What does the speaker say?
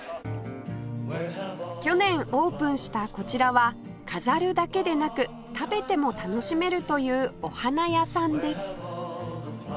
去年オープンしたこちらは飾るだけでなく食べても楽しめるというお花屋さんです